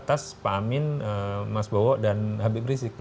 pertemuan terbatas pak amin mas bowo dan habib rizik